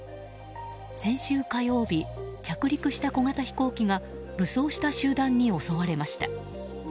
先週火曜日着陸した小型飛行機が武装した集団に襲われました。